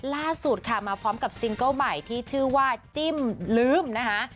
ล่าสุดค่ะมาพร้อมกับซิงเกิ้ลใหม่ที่ชื่อว่าจิ้มลืมนะคะ